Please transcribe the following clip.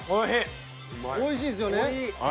おいしいですよね。